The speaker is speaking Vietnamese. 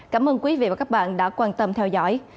cảm ơn quý vị và các bạn đã quan tâm theo dõi